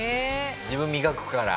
自分を磨くから？